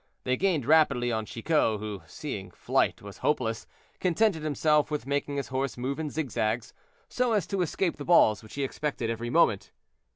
They gained rapidly on Chicot, who, seeing flight was hopeless, contented himself with making his horse move in zig zags, so as to escape the balls which he expected every moment.